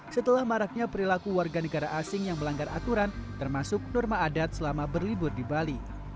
setelah maraknya perilaku warga negara asing yang melanggar aturan termasuk norma adat selama berlibur di bali